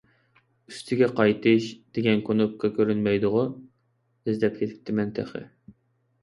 «ئۈستىگە قايتىش» دېگەن كۇنۇپكا كۆرۈنمەيدىغۇ؟ ئىزدەپ كېتىپتىمەن تېخى.